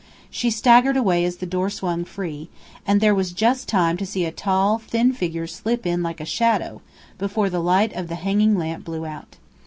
She staggered away as the door swung free, and there was just time to see a tall, thin figure slip in like a shadow before the light of the hanging lamp blew out.